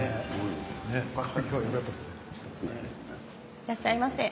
いらっしゃいませ。